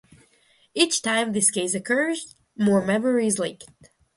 Each time this case occurs, more memory is leaked.